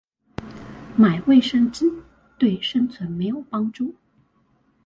買衛生紙對生存沒有幫助